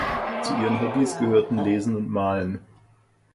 Zu ihren Hobbys gehörten Lesen und Malen.